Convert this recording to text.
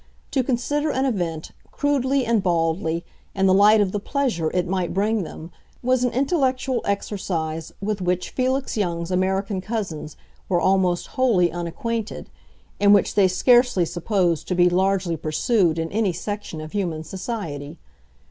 To consider an event, crudely and baldly, in the light of the pleasure it might bring them was an intellectual exercise with which Felix Young's American cousins were almost wholly unacquainted, and which they scarcely supposed to be largely pursued in any section of human society.